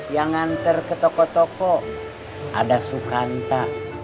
yang nganter ke toko toko ada sukanta